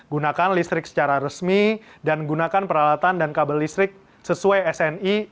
gunakan listrik secara resmi dan gunakan peralatan dan kabel listrik sesuai sni